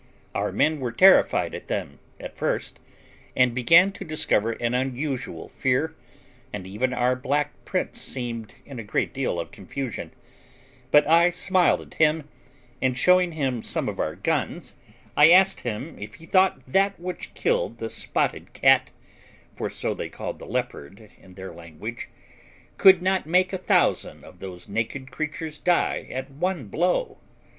Our men were terrified at them at first, and began to discover an unusual fear, and even our black prince seemed in a great deal of confusion; but I smiled at him, and showing him some of our guns, I asked him if he thought that which killed the spotted cat (for so they called the leopard in their language) could not make a thousand of those naked creatures die at one blow?